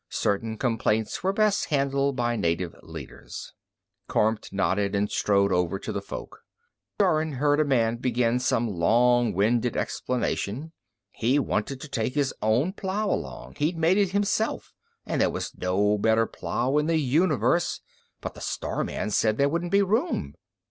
Certain complaints were best handled by native leaders. Kormt nodded and strode over to the folk. Jorun heard a man begin some long winded explanation: he wanted to take his own plow along, he'd made it himself and there was no better plow in the universe, but the star man said there wouldn't be room.